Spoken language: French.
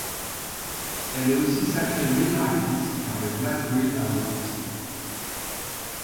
Elle est aussi sacrée meilleure actrice par les Black Reel Awards.